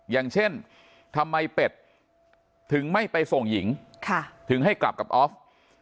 อย่างเช่นทำไมเป็ดถึงไม่ไปส่งหญิงถึงให้กลับกับออฟ